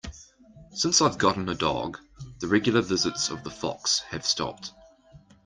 Since I've gotten a dog, the regular visits of the fox have stopped.